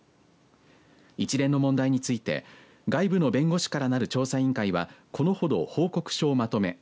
一連の問題について外部の弁護士からなる調査委員会はこのほど報告書をまとめ